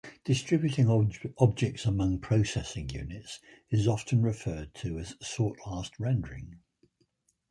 Distributing objects among processing units is often referred to as sort last rendering.